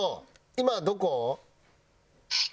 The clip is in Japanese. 今どこ？